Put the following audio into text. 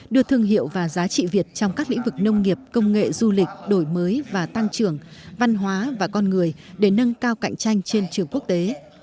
đưa thương hiệu và giá trị việt trong các lĩnh vực nông nghiệp công nghệ du lịch đổi mới và tăng trưởng văn hóa và con người để nâng cao cạnh tranh trên trường quốc tế